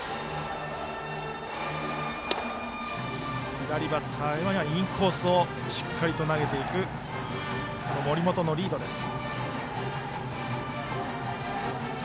左バッターのややインコースにしっかり投げていく森本のリードです。